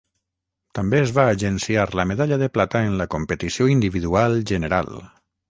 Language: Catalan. També es va agenciar la medalla de plata en la competició individual general.